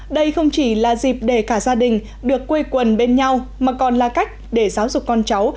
đây không chỉ là dịp để cả gia đình được quê quần bên nhau mà còn là cách để giáo dục con cháu